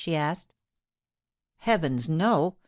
she asked. 'Heavens, no!